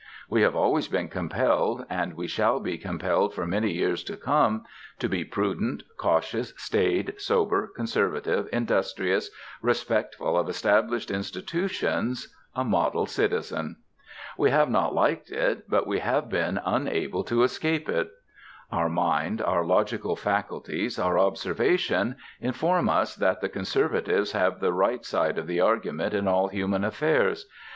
We have always been compelled, and we shall be compelled for many years to come, to be prudent, cautious, staid, sober, conservative, industrious, respectful of established institutions, a model citizen. We have not liked it, but we have been unable to escape it. Our mind, our logical faculties, our observation, inform us that the conservatives have the right side of the argument in all human affairs.